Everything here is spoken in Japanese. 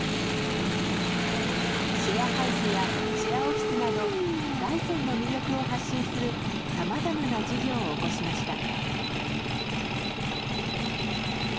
シェアハウスやシェアオフィスなど大山の魅力を発信するさまざまな事業を起こしました。